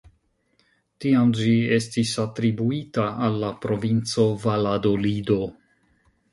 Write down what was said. Tiam ĝi estis atribuita al la provinco Valadolido.